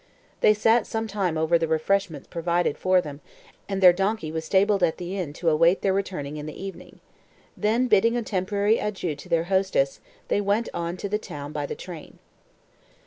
They sat some time over the refreshments provided for them, and their donkey was stabled at the inn to await their return in the evening. Then bidding a temporary adieu to their hostess, they went on to the town by train.